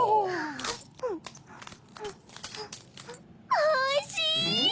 おいしい！